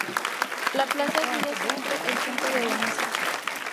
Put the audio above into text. La plaza ha sido siempre el centro de Venecia.